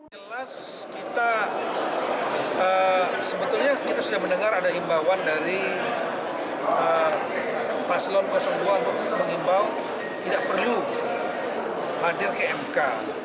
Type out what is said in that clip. jelas kita sebetulnya kita sudah mendengar ada himbawan dari paslon dua untuk mengimbau tidak perlu hadir ke mk